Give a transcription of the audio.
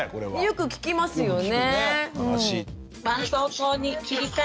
よく聞きますよね。